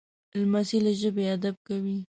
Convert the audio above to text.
لمسی له ژبې ادب کوي.